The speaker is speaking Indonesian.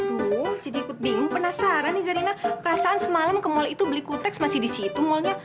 aduh jadi ikut bingung penasaran nih zarina perasaan semalam ke mall itu beli kutex masih disitu mallnya